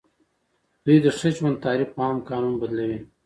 دوی د ښه ژوند تعریف په عام قانون بدلوي.